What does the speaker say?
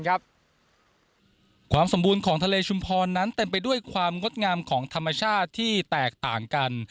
ความสมบูรณ์ของทะเลชุมพรนั้นเต็มไปด้วยความงดงามของธรรมชาติที่แตกต่างกัน